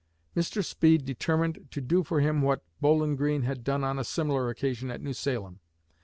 Mr. Speed determined to do for him what Bowlin Greene had done on a similar occasion at New Salem.